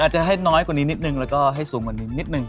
จะให้น้อยกว่านี้นิดนึงแล้วก็ให้สูงกว่านี้นิดนึง